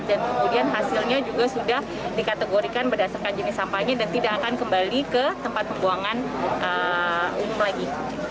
dan kemudian hasilnya juga sudah dikategorikan berdasarkan jenis sampahnya dan tidak akan kembali ke tempat pembuangan umum lagi